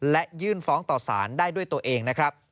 และยื่นฟ้องต่อสารได้ด้วยตัวเองนะครับ